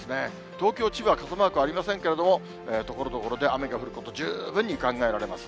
東京、千葉は傘マークありませんけれども、ところどころで雨が降ること、十分に考えられます。